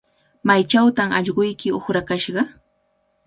¿Maychawtaq allquyki uqrakashqa?